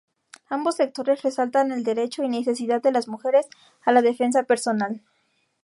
Ambos sectores resaltan el derecho y necesidad de las mujeres a la defensa personal.